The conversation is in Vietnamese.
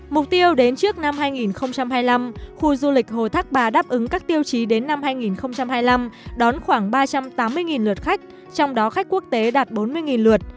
mục tiêu đến trước năm hai nghìn hai mươi năm khu du lịch hồ thác bà đáp ứng các tiêu chí đến năm hai nghìn hai mươi năm đón khoảng ba trăm tám mươi lượt khách trong đó khách quốc tế đạt bốn mươi lượt